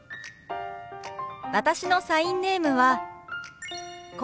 私のサインネームはこうです。